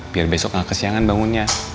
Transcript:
biar besok nggak kesiangan bangunnya